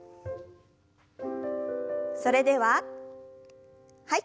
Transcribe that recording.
それでははい。